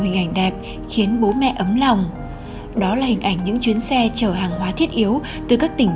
hình ảnh đẹp khiến bố mẹ ấm lòng đó là hình ảnh những chuyến xe chở hàng hóa thiết yếu từ các tỉnh